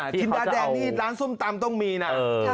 กินยาแดงนี่ร้านส้มตำต้องมีนะ